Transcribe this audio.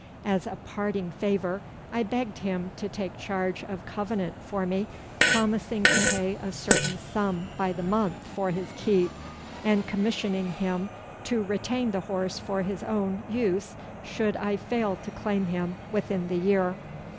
As a parting favour I begged him to take charge of Covenant for me, promising to pay a certain sum by the month for his keep, and commissioning him to retain the horse for his own use should I fail to claim him within the year.